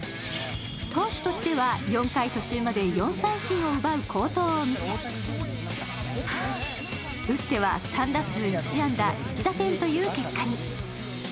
投手としては４回途中まで４三振を奪う好投を見せ、打っては３打数１安打１打点という結果に。